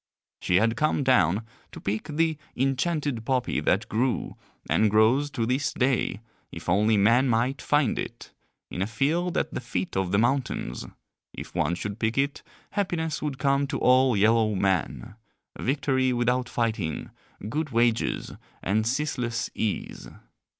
She had come down to pick the enchanted poppy that grew, and grows to this day if only men might find it in a field at the feet of the mountains; if one should pick it happiness would come to all yellow men, victory without fighting, good wages, and ceaseless ease.